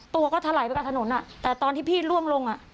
ตัวก็ถลายไปกับถนนอ่ะแต่ตอนที่พี่ล่วงลงอ่ะ